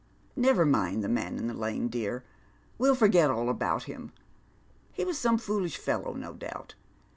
Never mind the man in tho lane, dear. We'll forget all about liim. He was some foolish fellow, no doubt.